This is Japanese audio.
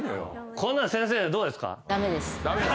こんなん先生どうですか？